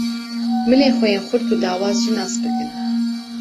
Milên xwe yên xurt û lawaz jî nas bikin.